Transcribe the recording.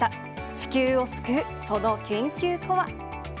地球を救うその研究とは。